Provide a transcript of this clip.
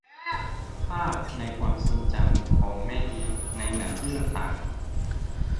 ภาพในความทรงจำของแม่เลี้ยงในหนังเรื่องต่าง